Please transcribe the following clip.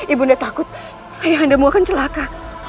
ibunda takut ayah anda mau akan celaka